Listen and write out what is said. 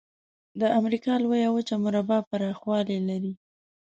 د امریکا لویه وچه مربع پرخوالي لري.